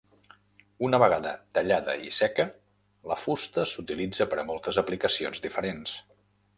Una vegada tallada i seca, la fusta s'utilitza per a moltes aplicacions diferents.